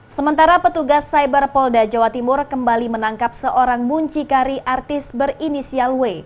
sementara petugas cyber polda jawa timur kembali menangkap seorang muncikari artis berinisial w